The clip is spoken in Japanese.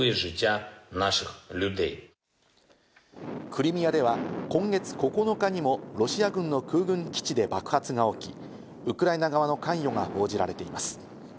クリミアでは今月９日にもロシア軍の空軍基地で爆発が起き、ウクライナ側の関与が報じられています。